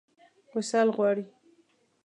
وصال غواړي.